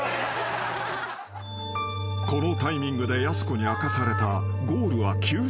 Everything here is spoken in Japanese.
［このタイミングでやす子に明かされた］